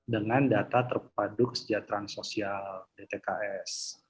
dengan data terpaduk sejahteraan sosial dtks